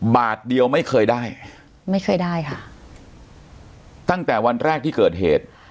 บาทเดียวไม่เคยได้ไม่เคยได้ค่ะตั้งแต่วันแรกที่เกิดเหตุ